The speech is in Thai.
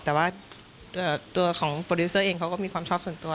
แต่ว่าตัวของโปรดิวเซอร์เองเขาก็มีความชอบส่วนตัว